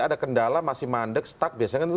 ada kendala masih mandek stuck biasanya kan itu